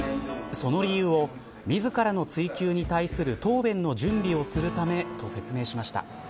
その理由を自らの追及に対する答弁の準備をするためと説明しました。